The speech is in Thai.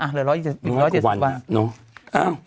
อ่ะหลือร้อยเหลือร้อยสิบหลีกร้อยอีกร้อยกว่าวันอะเนอะอ้าว